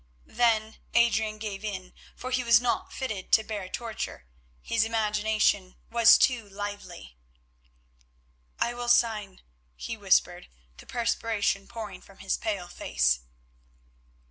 Then Adrian gave in, for he was not fitted to bear torture; his imagination was too lively. "I will sign," he whispered, the perspiration pouring from his pale face.